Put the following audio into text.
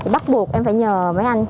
bắt buộc em phải nhờ mấy anh